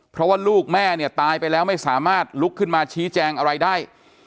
เพราะว่าลูกแม่เนี่ยตายไปแล้วไม่สามารถลุกขึ้นมาชี้แจงอะไรได้